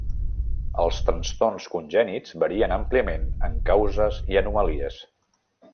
Els trastorns congènits varien àmpliament en causes i anomalies.